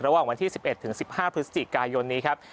ระหว่างวันที่๑๑ถึง๑๕พฤศจิกายนนี้ครับ